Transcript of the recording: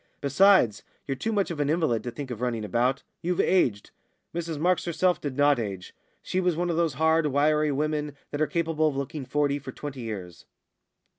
Besides, you're too much of an invalid to think of running about. You've aged." Mrs Marks herself did not age; she was one of those hard, wiry women that are capable of looking forty for twenty years.